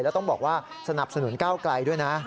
แล้วต้องบอกว่าสนับสนุนก้าวไกลด้วยนะ